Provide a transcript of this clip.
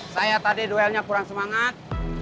saya tadi duelnya kurang semangat